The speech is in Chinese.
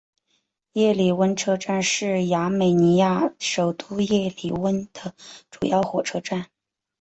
叶里温车站是亚美尼亚首都叶里温的主要火车站。